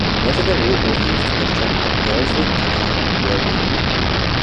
Much of the route was used to construct the Paisley Canal railway line.